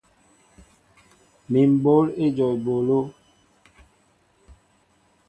Mi mɓǒl éjom eɓólo.